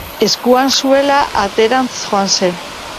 Eskuan zuela aterantz joan zen.